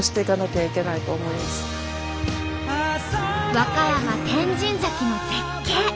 和歌山天神崎の絶景。